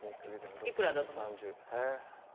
幾らだと思います？